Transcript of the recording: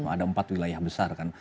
ada empat wilayah besar kan